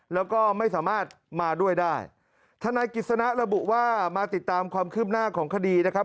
แล้วก็ไม่สามารถมาด้วยได้ธนายกิจสนะระบุว่ามาติดตามความคืบหน้าของคดีนะครับ